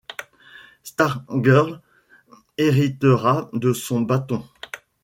Stargirl héritera de son bâton.